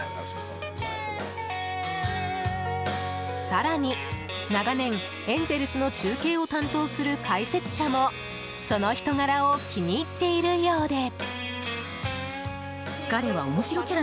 更に、長年エンゼルスの中継を担当する解説者もその人柄を気に入っているようで。